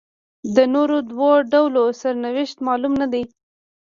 د نورو دوو ډلو سرنوشت معلوم نه دی.